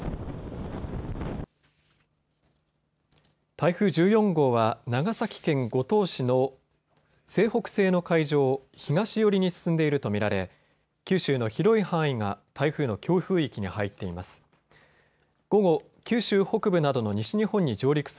台風１４号は長崎県五島市の西北西の海上を東寄りに進んでいると見られ九州の広い範囲が台風の強風域に入っています。